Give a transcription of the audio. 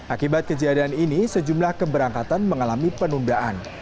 akibat kejadian ini sejumlah keberangkatan mengalami penundaan